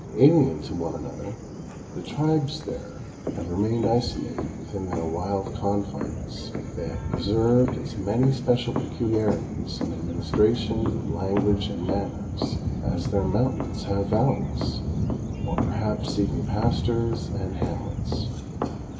Alien to one another, the tribes here have remained isolated within their wild confines. They have preserved as many special peculiarities in administration, language and manners as their mountains have valleys, or perhaps even pastures and hamlets.